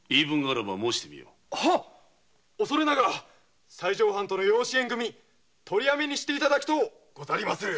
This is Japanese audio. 恐れながら西条藩との養子縁組み取りやめにしていただきとうござりまする。